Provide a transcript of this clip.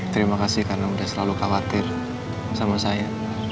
terima kasih karena sudah selalu khawatir sama saya